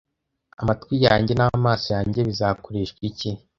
amatwi yanjye n'amaso yanjye bizakoreshwa iki